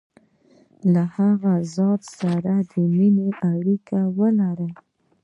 له هغه ذات سره د مینې اړیکي ولري.